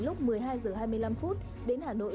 lúc một mươi hai h hai mươi năm đến hà nội